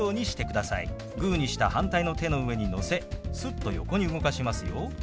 グーにした反対の手の上にのせすっと横に動かしますよ。